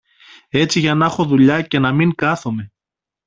έτσι για να 'χω δουλειά και να μην κάθομαι.